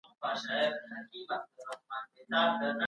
د استئمار لفظ شارحينو په صريحي اجازي سره تعبير کړی دی.